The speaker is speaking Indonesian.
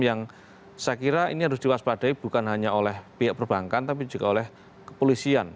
yang saya kira ini harus diwaspadai bukan hanya oleh pihak perbankan tapi juga oleh kepolisian